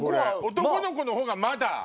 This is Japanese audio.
男の子のほうがまだ。